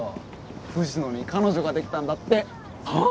藤野に彼女ができたんだってはあ！？